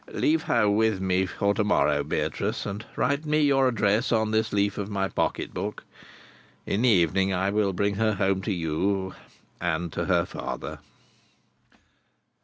"Leave her with me for to morrow, Beatrice, and write me your address on this leaf of my pocket book. In the evening I will bring her home to you—and to her father."